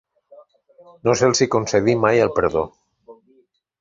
No se'ls hi concedí mai el perdó.